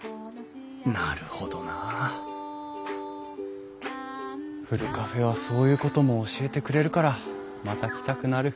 なるほどなあふるカフェはそういうことも教えてくれるからまた来たくなる。